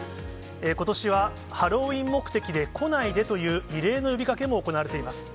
ことしはハロウィーン目的で来ないでという異例の呼びかけも行われています。